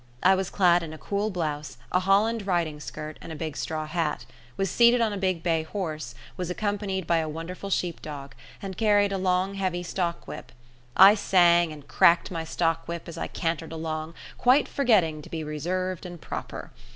I was clad in a cool blouse, a holland riding skirt, and a big straw hat; was seated on a big bay horse, was accompanied by a wonderful sheep dog, and carried a long heavy stock whip. I sang and cracked my stock whip as I cantered along, quite forgetting to be reserved and proper.